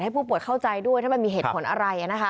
ผู้ป่วยเข้าใจด้วยถ้ามันมีเหตุผลอะไร